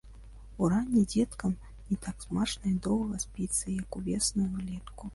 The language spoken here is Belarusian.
Уранні дзеткам не так смачна і доўга спіцца, як увесну і ўлетку.